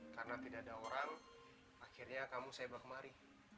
karena tidak ada orang akhirnya kamu sebak mari